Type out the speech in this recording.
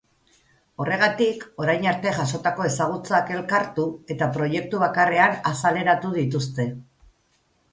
Horregatik, orain arte jasotako ezagutzak elkartu eta proiektu bakarrean azaleratu dituzte.